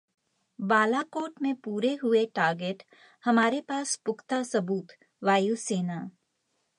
बालाकोट में पूरे हुए टारगेट, हमारे पास पुख्ता सबूत- वायुसेना